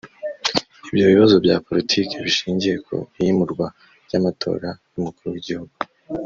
Ibyo bibazo bya Politiki bishingiye ku iyimurwa ry’amatora y’Umukuru w’Igihugu